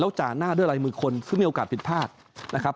จ่าหน้าด้วยลายมือคนซึ่งมีโอกาสผิดพลาดนะครับ